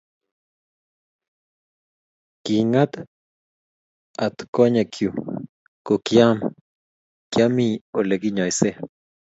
Kingat at konyekchu ko kiami Ole kinyoise